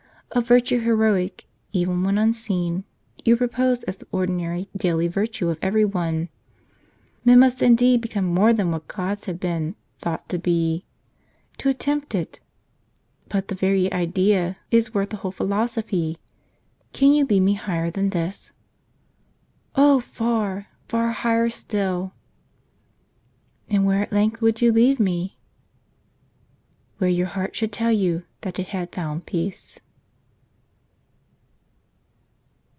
A virtue heroic, even when unseen, you propose as the ordinary daily virtue of every one. Men must indeed become more than what gods have been thought to be, to attempt it ; but the very idea is worth a whole philosophy. Can you lead me higher than this ?" "Oh, far !— far higher still." " And where at length would you leave me ?" "Where your heart should tell you that it had found peace."